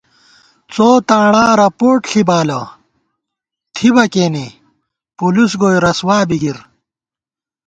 څو تاݨا رپوٹ ݪی بالہ ، تھِبہ کېنے پُلُس گوئی رسوا بی گِر